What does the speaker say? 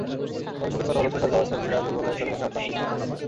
তবে সুখের কথা, তুষারঝড় স্লোজিলা দুর্বল হয়ে সরে গেছে আটলান্টিক মহাসাগরের দিকে।